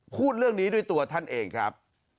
พูดเรื่องนี้ด้วยตัวท่านเองครับ